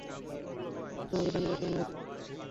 ভাবলাম, তোমাকে জানিয়ে রাখি আমি আজ এখানে শুধু ওর জন্যই।